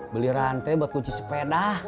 beli rantai buat kunci sepeda